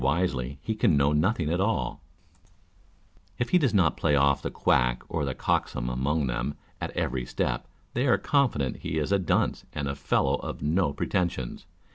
281 wisely lie can know nothing at all : if lie Joes not play off tlie quack or the coxcomb upon them at every step, they are confident he is a dunce and a fellow of no pre tensions.